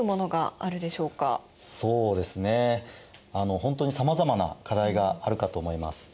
本当にさまざまな課題があるかと思います。